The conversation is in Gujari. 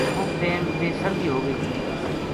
اُس ٹیم ویہ سرگی ہو گئی تھی